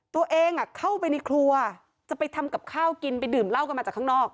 ตัวเองเข้าไปในครัวจะไปทำกับข้าวกินไปดื่มเหล้ากันมาจากข้างนอก